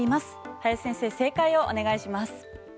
林先生、正解をお願いします。